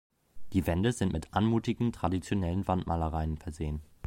Die Wände sind mit anmutigen traditionellen Wandmalereien versehen.